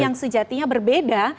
yang sejatinya berbeda